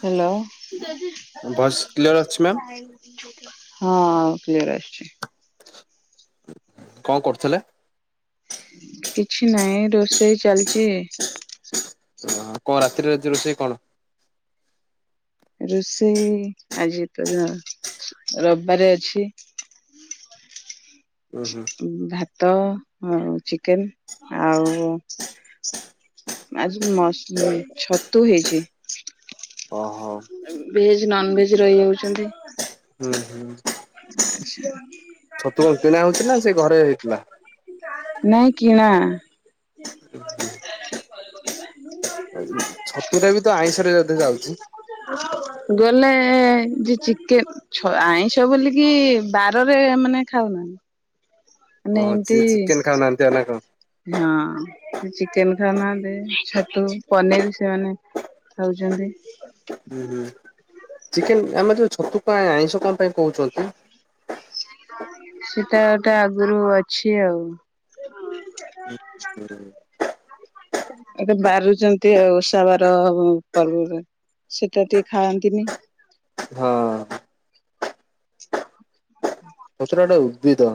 Hello. Voice clear ଅଛି ma'am ହଁ clear ଆସଛି। କଣ କରୁଥିଲେ? କିଛି ନାହିଁ ରୋଷେଇ ଚାଲିଛି। ହଁ କଣ ରାତିରେ ଆଜି ରୋଷେଇ କଣ? ରୋଷେଇ ଆଜି ତ ରବିବାରେ ଅଛି। ଉୁଁ ହୁଁ ହଁ ଭା ଭାତ ଆଉ ଚିକେନ ଆଉ ଆଜି ମଶ୍ରୁମ୍ ଛତୁ ହେଇଛି ଓହୋ ଭେଜ ନନ ଭେଜ ରହିଯାଉଛନ୍ତି। ହୁଁ ହୁଁ ଆଛା। ଛତୁ କଣ କିଣା ହଉଛି ନା ସେ ଘରେ ହେଇଥିଲା। ନାଇଁ କିଣା। ଛତୁଟା ବି ତ ଆଇଁଷ ରେ ଜୋଧେ ଯାଉଛି। ଗଲେ ଯେ ଚିକେନ ଛ ଆଇଁଷ ବୋଲିକି ବାରରେ ମାନେ ଖାଉନା। ନେ ଓହୋ ଏମିତି ଯିଏ ଚିକେନ ଖାଉନାହାନ୍ତି ଆଉ ନା କଣ? ହିଁ ସେ ଚିକେନ ଖାଉନାହାନ୍ତି, ଛତୁ ପନିର ସେମାନେ ଖାଉଚନ୍ତି। ହୁଁ ହୁଁ ଚିକେନ ଆମେ ତ ଛତୁ ପା ଆଇଁଷ କପାଇଁ କହୁଚନ୍ତି। ସେଟା ଟା ଆଗରୁ ଅଛି ଆଉ, [inaudible] ଏବେ ବାରୁଚନ୍ତି, ଆଉ ଓଷାବାର ପର୍ବରେ ସେଟା ଟିକେ ଖାଆନ୍ତିନି। ହଁ [unintelligible] ପତୁରା ଟାକୁ ବିଦ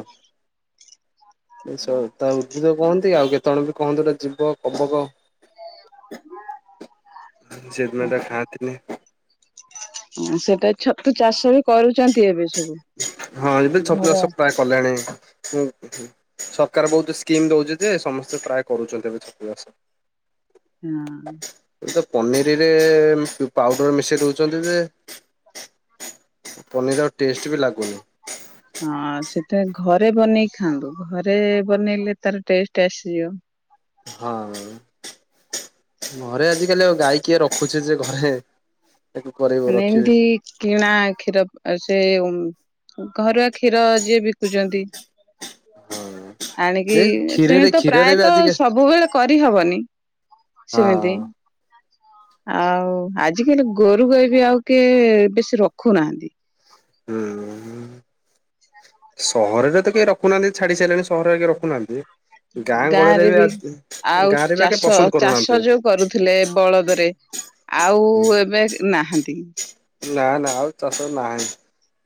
ଆଛା ତା ଉଦ୍ଭିଦ କୁହନ୍ତି କି ଆଉ କେ ତଣୁ ବି କୁହନ୍ତୁ, ଅଟା ଯିବ କବକ ସେଇଥି ପାଇଁ ଏଟା ଖାହାନ୍ତିନି। ତ ଛତୁ ଚାଷ ବି କରୁଚନ୍ତି ଏବେ ସବୁ। ହଁ ଏବେ ଛତୁ ଘର ଚାଷ ପ୍ରାୟ କଲେଣି। ହୁଁ ହୁଁ ସରକାର ବୋହୁତ ସ୍କିମ୍ ଦୋଉଚି ଯେ ସମସ୍ତେ ପ୍ରାଏ କରୁଚନ୍ତି, ଏବେ କରୁଚନ୍ତି ଛତୁଚାଷ। ହଁ। ଏ ସବୁ ପନିରରେ ପାଉଡ଼ର ମିଶାଇ ଦୋଉଚନ୍ତି ଯେ ପନିର ଆଉ ଟେଷ୍ଟ ବି ଲାଗୁନି। ହଁ ସେଟା ଘରେ ବନେଇକି ଖାଆନ୍ତୁ, ଘରେ ବନେଇଲେ ତାର ଟେଷ୍ଟ ଆସିଯିବ। ହଁ ଘରେ ଆଜିିକାଲି ଆଉ ଗାଈ କିଏ ରଖୁଚି ଯେ ଘରେ ତାକୁ କରେଇବ ମାନେ ରଖିବେ। ଏମିତି କିଣା କ୍ଷୀର ସେ ଓମ୍ ଘରୁଆ କ୍ଷୀର ଯିଏ ବିକୁଚନ୍ତି। ହଁ ଆଣିକି ଏ ସେମି କ୍ଷୀରରେ ତ କ୍ଷୀରରେ ବି ପ୍ରାୟତ ଆଜିକା ସବୁବେଳେ କରିହବନି। ସେମିତି। ହଁ ଆଉ ଆଜିକାଲି ଗୋରୁ ଗଈ ବି ଆଉ କିଏ ବେଶୀ ରଖୁନାହାନ୍ତି। ହୁଁ। ସହରରେ ତ କେ ରଖୁନାହାନ୍ତି, ଛାଡି ସାରିଲେଣି ସହରରେ କିଏ ରଖୁନାହାନ୍ତି। ଗାଁ ଗହଳିରେ ଗାଁରେ ବି ଆଜି ଆଉ ଗାଁରେ ବି ଆ କେହି ଚାଷ ପସନ୍ଦ କରୁନାହାନ୍ତି। ଚାଷ ଯୋଉ କରୁଥିଲେ ବଳଦରେ ଆଉ ଏବେ ନାହାନ୍ତି। ନା ନା ଆଉ ଚାଷ ନାହିଁ,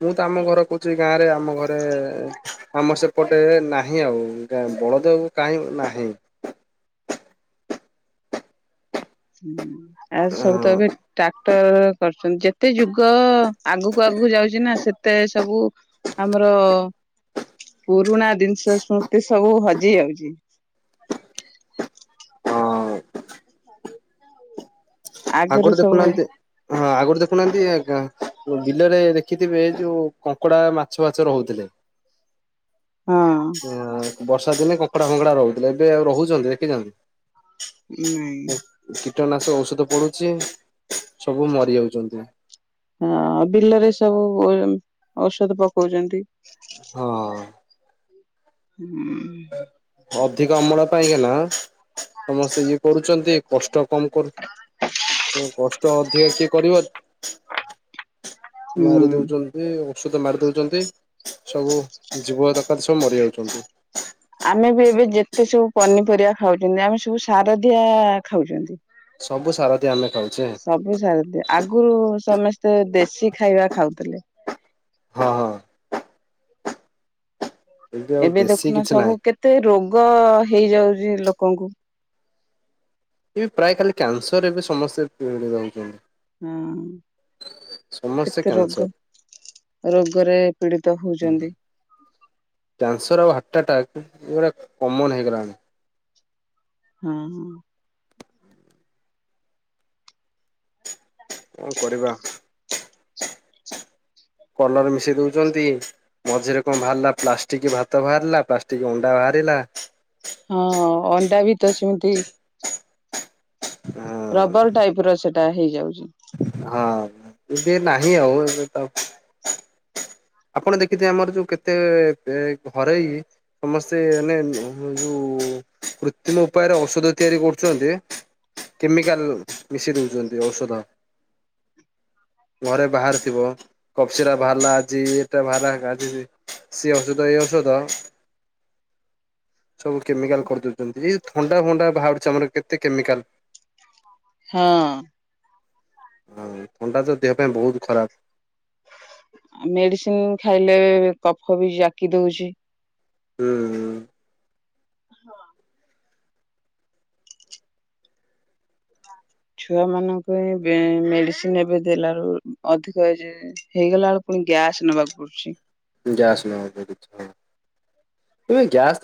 ମୁଁ ତ ଆମ ଘର କହୁଚି, ଗାଁରେ ଆମ ଘରେ ଆମ ସେପଟେ ନାହିଁ ଆଉ ଗାଁ ବଳଦେବ କାହିଁ ନାହିଁ। [inaudible] ଆ ସବୁ ହଁ ତ ଏବେ ଟା ତ କରୁଚନ୍ତି ଯେତେ ଯୁଗ ଆଗକୁ ଆଗକୁ ଯାଉଚି ନା ସେତେ ସବୁ ଆମର ପୁରୁଣା ଦିନିଷ ସ୍ମୃତି ସବୁ ହଜି ଯାଉଚି। ହଁ ଆଗରୁ ଦେଖୁନାହାନ୍ତି, ହଁ ଆଗରୁ ଦେଖୁନାହାନ୍ତି ଗାଁ ବିଲରେ ଦେଖିଥିବେ ଯୋଉ କଙ୍କଡା ମାଛ ବାଛ ରହୁଥିଲେ। ହଁ ଆ ବର୍ଷା ଦିନେ କଣ କଙ୍କଡା ଫଙ୍କଡା ରହୁଥିଲେ, ଏବେ ଆଉ ରହୁଛନ୍ତି, ଦେଖିଛନ୍ତି? ନାଇଁ। କୀଟନାଶ ଔଷଧ ପଡୁଛି ସବୁ ମରି ଯାଉଛନ୍ତି। ହଁ ବିଲରେ ସବୁ ଉ ଔଷଧ ପକଉଛନ୍ତି [unintelligible] ହଁ। [unintelligible] ଅଧିକା ଅମଳ ପାଇଁକିନା ସମସ୍ତେ ଇଏ କରୁଛନ୍ତି କଷ୍ଟ କମ କର କଷ୍ଟ ଅଧିକା କିଏ କରିବ ମାରି ହୁଁ। ଦଉଛନ୍ତି ଔଷଧ ମାରି ଦଉଛନ୍ତି। ସବୁ ଜୀବ ଦରକାର ସବୁ ମରିଯାଉଛନ୍ତି। ଆମେ ବି ଏବେ ଯେତେ ସବୁ ପନିପରିବା ଖାଉଚନ୍ତି ଆମେ ସବୁ ସାର ଦିଆ ଖାଉଚନ୍ତି। ସବୁ ସାରଦିଆ ଆମେ ଖାଉଛେ? ଆଗୁରୁ ସମେସ୍ତେ ଦେଶୀ ଖାଇବା ଖାଉଥିଲେ। ହଁ ହଁ। ଆଉ ଏବେ ଦେଶୀ ଦେଖୁନ କିଛି ନାହିଁ। ସବୁ କେତେ ରୋଗ ହେଇଯାଉଚି ଲୋକଙ୍କୁ। ଏ ପ୍ରାୟେ ଖାଲି କ୍ୟାନ୍ସର ଏବେ ସମସ୍ତେ ପୀଡିତ ହଉଚ ହୁଁ ସମସ୍ତେ କେତେ କ୍ୟାନସର। ରୋଗ ରୋଗରେ ପୀଡିତ ହଉଛନ୍ତି। ଏଗୁରା କମନ୍ ହେଇଗଲାଣି। ହୁଁ ହୁଁ କଣ କରିବା? କଲର ମିଶେଇ ଦଉଛନ୍ତି ମଝିରେ କଣ ବାହାରିଲା ପ୍ଲାଷ୍ଟିକ୍ ଭାତ ବାହାରିଲା ପ୍ଲାଷ୍ଟିକ୍ ଅଣ୍ଡା ବାହାରିଲା ହଁ ଅଣ୍ଡା ବି ତ ସେମିତି ହଁ ରବର ଟାଇପ୍ ର ସେଟା ହେଇଯାଉଛି। ହଁ ଏବେ ନାହିଁ ଆଉ ଏବେ ଆପଣ ଦେଖିଥିବେ ଆମର ଯୋଉ କେତେ ଘରୋଇ ସମସ୍ତେ ମାନେ ଯୋଉ କୃତ୍ରିମ ଉପାୟରେ ଔଷଧ ତିଆରି କରୁଛନ୍ତି କେମିକାଲ ମିଶେଇ ଦଉଛନ୍ତି ଔଷଧ। ଘରେ ବାହାରି ଥିବ କପ୍ସିିରପ ଟା ବାହାରା ଆଜି ଏଟା ବାହାରିଲା ସେ ଔଷଧ ଏଇ ଔଷଧ ସବୁ କେମିକାଲ କରିଦଉଛନ୍ତି ଏ ଥଣ୍ଡା ଫଣ୍ଡା ବାହାରୁଛି ଆମର କେତେ କେମିକାଲ୍ ହଁ ହଁ ଥଣ୍ଡାଟା ତ ଦେହ ପାଇଁ ବହୁତ ଖରାପ। ମେଡିସିନ୍ ଖାଇଲେ କଫ ବି ଜାକି ଦଉଛି। ହୁଁ ହୁଁ ହଁ ଛୁଆ ମାନଙ୍କ ପାଇଁ ମେଡ଼ିସିନ୍ ଏବେ ଦେଲାରୁ ଅଧିକ ଏଜ୍ ହେଇଗଳାକୁ ପୁଣି ଗ୍ୟାସ ନବାକୁ ପଡୁଛି। ଗ୍ୟାସ୍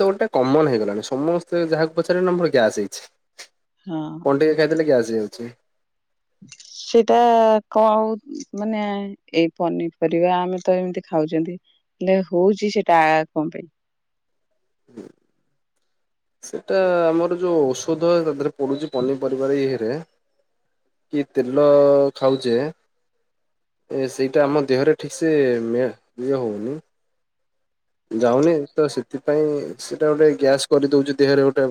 ଗୋଟେ କମନ୍ ହେଇଗଲାଣି ସମସ୍ତେ ଯାହାକୁ ପଚାରିବ ନା ମୋର ଗ୍ୟାସ୍ ହେଇଛି। ହଁ। କଣ ଟିକେ ଖାଇଦେଲେ ଗ୍ୟାସ୍ ହେଇଯାଉ କେ ସେଟା କଉ ମାନେ ଏଇ ପନିପରିବା ଆମେ ତ ଏମିତି ଖାଉଛନ୍ତି ହେଲେ ହଉଛି ସେଟା କଣ ପାଇଁ? ହୁଁ ସେଟା ଆମର ଯୋଉ ଔଷଧ ତା ଦେହରେ ପଡୁଛି ଆମର ପନିପରିବାର ଇଏରେ କି ତେଲ ଖାଉଛେ ସେଇଟା ଆମ ଦେହରେ ଠିକ ସେ ଇଏ ହଉନି। ଯାଉନି ତ ସେଥିପାଇଁ ସେଟା ଗୋଟେ ଗ୍ୟାସ୍ କରିଦଉଛି ଦେହେରେ ଗୋଟେ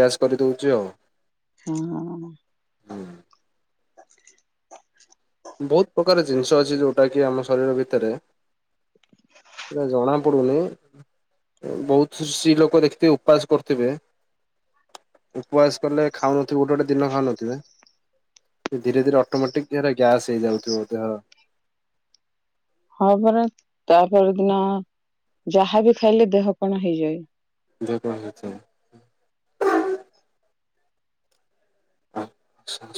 ଗ୍ୟାସ୍ କରିଦଉଛି ଆଉ। ହଁ ବହୁତ ପ୍ରକାର ଜିନିଷ ଅଛି ଯୋଉଟା କି ଆମ ଶରୀର ଭିତରେ ଜଣା ପଡୁନି ବହୁତ ସି ଲୋକ ଦେଖଥିବେ ଉପବାସ କରୁଥିବେ ଉପବାସ କଲେ ଖାଉନଥିବେ ଗୋଟେ ଗୋଟେ ଦିନ ଖାଉନଥିବେ ଧୀରେ ଧୀରେ ଅଟୋମେଟିକ ହେରା। ଗ୍ୟାସ ହେଇ ଯାଉଥିବ। ହଁ ପରା ତାପରଦିନ ଯାହାବ ଖାଇଲେ ଦେହ କଣ ହେଇଯାଏ। ଦେହ କଣ ହେଇଯିବ।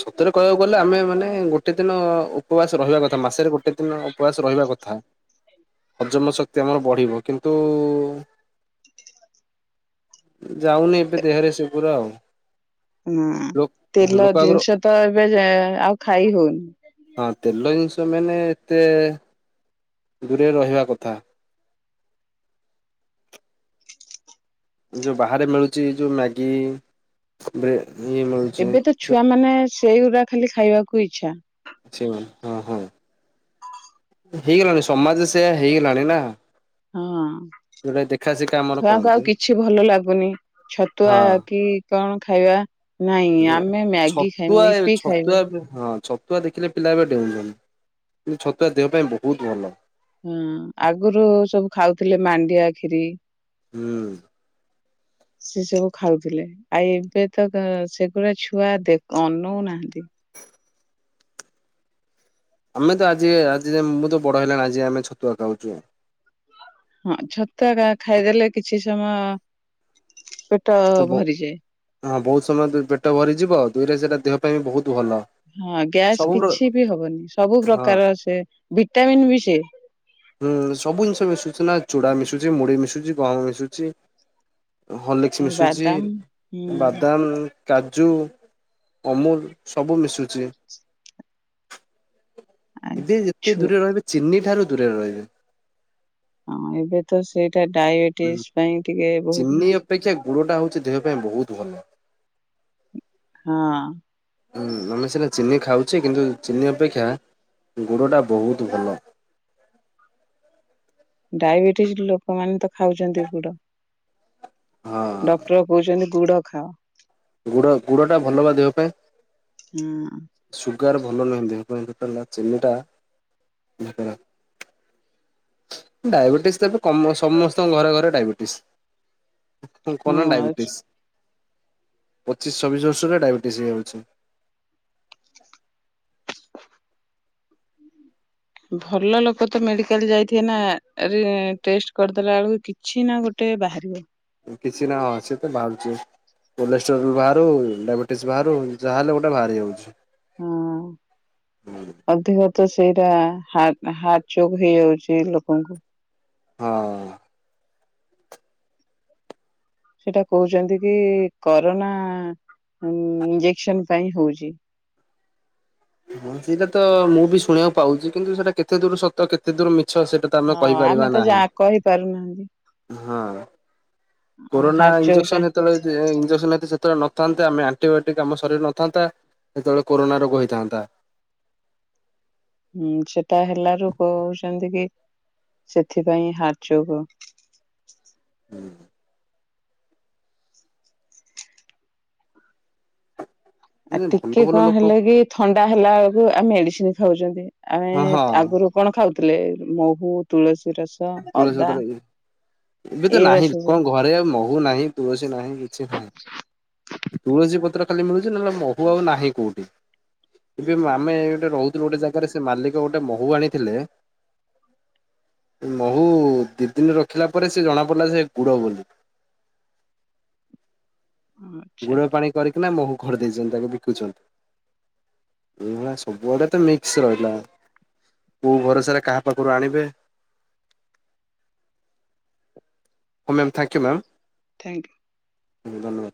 ସତରେ କହିବାକୁ ଗଲେ ଆମେ ମାନେ ଗୋଟେ ଦିନ ଉପବାସ ରହିବା କଥା ମାସରେ ଗୋଟେ ଦିନ ଉପବାସ ରହିବା କଥା ହଜମ ଶକ୍ତି ଆମର ବଢିବ କିନ୍ତୁ ଯାଉନି ଏବେ ଦେହରେ ସେ ପୁରା ଆଉ। ହଁ। ଲୋ ତେଲ ଲୋକ ଆଗରୁ ଜିନିଷ ତ ଏବେ ଆଉ ଖାଇ ହଉନି। ହଁ ତେଲ ଜିନିଷ ତ ମେନ୍ ଏତେ ଦୂରେ ରହିବା କଥା। ଯୋଉ ବାହାରେ ମିଳୁଛି ଯୋଉ ମ୍ୟାଗି ବେ ଏବେ ତ ଛୁଆ ମାନେ ସେଇଗୁଡ଼ା ଖାଲି ଖାଇବାକୁ ଇଚ୍ଛା। ହଁ ହଁ ହେଇଗଲାଣି ସମାଜ ସେ ହେଇଗଲାଣି ନା। ହଁ ଯୋଉଟା ଦେଖା ଶିଖା ଆମର ଛୁଆଙ୍କୁ ଆଉ କହନ୍ତି କିଛି ଭଲ ଲାଗୁନି ଛତୁଆ ହଁ। କି କଣ? ଖାଇବା। ନାଇଁ ଆମେ ମ୍ୟାଗି ଛତୁଆ ଖାଇବୁ ଇପି ଛତୁଆ ଖାଇବୁ। ହଁ ଛତୁଆ ଦେଖିଲେ ପିଲା ଏବେ ଡେଉଁଛନ୍ତି କିନ୍ତୁ ଛତୁଆ ଦେହ ପାଇଁ ବହୁତ ଭଲ। ହଁ ଆଗରୁ ସବୁ ଖାଉଥିଲେ ମାଣ୍ଡିଆ ଖିରୀ। ହୁଁ। ସେ ସବୁ ଖାଉଥିଲେ ଆଉ ଏବେ ତ ସେଗୁଡା ଛୁଆ ଦେ ଅନଉ ନାହାନ୍ତି। ଆମେ ତ ଆଜି ଆଜି ମୁଁ ତ ବଡ ହେଲାଣି ଆଜି ଆମେ ଛତୁଆଖାଉଛୁ। ହଁ ଛତୁଆ ଖାଇଦେଲେ କିଛି ସମୟ ହଁ ଭରିଯାଏ ବହୁତ ସମୟ ତୁ ପେଟ ଭରିଯିବ ଆଉ। ଦୁଇରେ ସେଟା ଦେହ ପାଇଁ ବହୁତ ଭଲ। ହଁ ଗ୍ୟାସ୍ ସବୁ ପ୍ର କିଛି ବି ହବନି ସବୁ ହଁ ପ୍ରକାର ସେ ଭିଟାମିିନ ବି ସେ ହୁଁ ସବୁ ଜିନିଷ ମିଶୁଛି ନା ଚୁଡା ମିଶୁଛି ମୁଢି ମିଶୁଛି ଗହମ ମିଶୁଛି। ଚ ମିସୁଚି ବାଦାମ ହୁଁ ବାଦାମ କାଜୁ ଅମୁଲ ସବୁ ମିଶୁଛି। ଏବେ ଯେତେ ଛୁ ଦୂରେ ରହିବେ ଚିନି ଠାରୁ ଦୂରରେ ରହିବେ। ହଁ ଏବେ ତ ସେ ସେଟ ହୁଁ ଡାଇବେଟିସ୍ ପାଇଁ ଟିକେ ଚିନି ବହୁତ ଅପେକ୍ଷା ଗୁଡ ଟା ହଉଛି ଦେହ ପାଇଁ ବହୁତ ଭଲ। ହଁ। ହଁ ଆମେ ସେଟା ଚିନି ଖାଉଛେ କିନ୍ତୁ ଚିନି ଅପେକ୍ଷା ଗୁଡ ଟା ବହୁତ ଭଲ। ଡାଇବେଟିସ୍ ଲୋକ ମାନେେ ତ ଖାଉଛନ୍ତି ଗୁଡ। ହଁ ଡକ୍ଟର କହୁଛନ୍ତି। ଗୁଡ଼ ଖାଅ। ଗୁଡ ଗୁଡ ଟା ଭଲ ବା ଦେହ ପାଇଁ। ହଁ ସୁଗାର୍ ଭଲ ନୁହଁ ଦେହ ପାଇଁ ଚିନି ଟା ଡାଇବେଟିସ ତ ଏବେ ସମସ୍ତଙ୍କ ଘରେ ଘରେ ଡାଇବେଟିସ୍। କନ ନା ଡାଇବେିଟିସ୍। ହଁ। ପଚିଶ ଛବିଶ ବର୍ଷରରେ ଦାଇବେଟିସ ହେଇାଉଛି। ଭଲ ଲୋକ ତ ମେଡିକାଲ ଯାଇଥିନା ଟେଷ୍ଟ କର୍ ଦେଲାବେଳକୁ କିଛି ନା ଗୋଟେ ବାହାରିବ। କିଛି ନା ଅଛି ତ ଭାବୁଚି। କଲେଷ୍ଟ୍ରୋଲ ବାହାରୁ ଡାଇବେଟିସ ବାହାରୁ ଯାହାହେଲେ ଗୋଟେ ବାହାରି ଯାଉଛି। ହଁ ଅଁ। ତ ସେଇଟା ହାର୍ଟ ଚୋକ୍ ହେଇଯାଉଛି ଲୋକଙ୍କୁ। ହଁ। ସେଟା କହୁଛନ୍ତି କି କରୋନା ଇଞ୍ଜେକ୍ସନ ପାଇଁ ହଉଚି। ହଁ ସେଇଟା ତ ମୁଁ ବି ଶୁଣିବାକୁ ପାଉଛି କିନ୍ତୁ ସେଇଟା କେତେ ଦୂର ସତ କେତେ ଦୂର ମି ଆଛ ସେଟା ତ ଆମେ ହଁ କହିପାରିବା ଆମେ ତ ଯା ନାହିଁ କହିପାରୁନାହାନ୍ତି ହଁ। ଆଉ କରୋନା ହାର୍ଟ ଚୋକ୍ ଟା। ଇଜେକସନ୍ ଯେତବେଳେ ଇଜେକସନ୍ ଯେ ଯେତେବେଳେ ନଥାନ୍ତେ ଆମେ ଆଣ୍ଟିବାୋଟିକ୍ ଆମ ଶରୀରରେ ନଥାନ୍ତା ଯେତେବେଳେ କରୋନା ରୋଗ ହେଇଥାନ୍ତା ହୁଁ ସେଟା ହେଲାରୁ କହୁଛନ୍ତି କି ସେଥିପାଇଁ ହାର୍ଟଚୋକ୍। [inaudible] ଆ ଭଲ ଟିକେ ଭଲ କଣ ଲୋକ ହେଲେ କି ଥଣ୍ଡା ହେଲା ବେଳକୁ ଆ ମେଡିସିନ ଖାଉଛନ୍ତି। ଆମେ ହଁ ହଁ ଆଗରୁ କଣ ଖାଉଛୁ? ମହୁ ତୁଳସୀ। ରସ, ତୁଳସୀ ଅଦା ପତ୍ର ଏବେ ତ ଏଇଗୁରା ନାହିଁ ସବୁ। କଣ ଘରେ ମହୁ ନାହିଁ ତୁଳସୀ ନାହିଁ କିଛି ନାହିଁ ତୁଳସୀ ପତ୍ର ଖାଲି ମିଳୁଛି ନହେଲେ ମହୁ ଆଉ ନାହିଁ କୋଉଠି। ଏବେ ଆମେ ଗୋଟେ ରହୁ ଗୋଟେ ଜାଗାରେ ସେ ମାଲିକ ଗୋଟେ ମହୁ ଆଣିଥିଲେ ମହୁ ଦି ଦିନ ରଖିଲା ପରେ ସେ ଜଣା ପଡିଲା ସେ ଗୁଡ ବୋଲି। ଆଚ୍ଛା ଗୁଡ ପାଣି କରିକି ନା ମହୁ ଘରେ ଦେଇଛନ୍ତି ତାକୁ ବିକୁଛନ୍ତି ସବୁଆଡେ ତ ମିକସ ରହିଲା କୋଉ ଭରସାରେ କାହା ପାଖରୁ ଆଣିବେ। ହଉ ma'am thank you ma'am. Thank you. ଧନ୍ୟବାଦ।